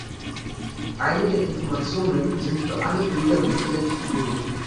Teile der Informationen sind für alle Bürger im Internet zugänglich.